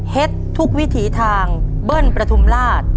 ทุกวิถีทางเบิ้ลประทุมราช